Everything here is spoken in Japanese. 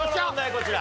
こちら。